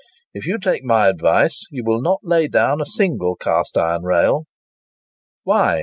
If you take my advice, you will not lay down a single cast iron rail." "Why?"